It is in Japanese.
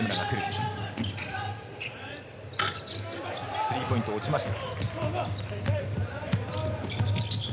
スリーポイントが落ちました。